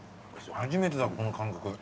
初めてだこの感覚。